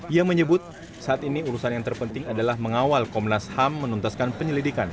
ia menyebut saat ini urusan yang terpenting adalah mengawal komnas ham menuntaskan penyelidikan